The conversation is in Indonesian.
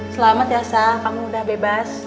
selamat ya sah kamu udah bebas